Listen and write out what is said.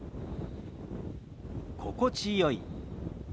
「心地よい」。